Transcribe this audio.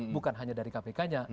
bukan hanya dari kpknya